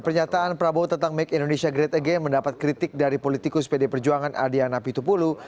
pernyataan prabowo tentang make indonesia great again mendapat kritik dari politikus pd perjuangan adiana pitupulu